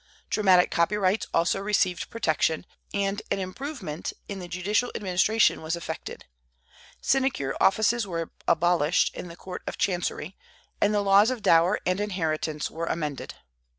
Dramatic copyrights also received protection, and an improvement in the judicial administration was effected. Sinecure offices were abolished in the Court of Chancery, and the laws of dower and inheritance were amended.